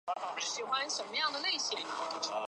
患者会有天旋地转或是摇晃的感觉。